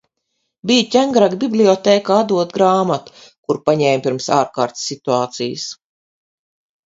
Biju Ķengaraga bibliotēkā atdot grāmatu, kuru paņēmu pirms ārkārtas situācijas.